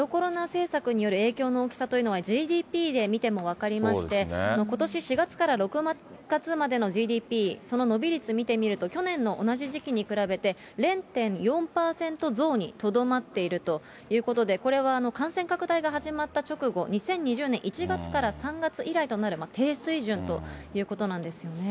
政策による影響の大きさというのは、ＧＤＰで見ても分かりまして、ことし４月から６月までのＧＤＰ、その伸び率見てみると、去年の同じ時期に比べて、０．４％増にとどまっているということで、これは感染拡大が始まった直後、２０２０年１月から３月以来となる低水準ということなんですよね。